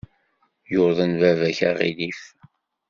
Yuḍen baba-k aɣilif.